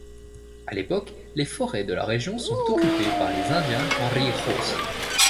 À l'époque, les forêts de la région sont occupées par les indiens carijós.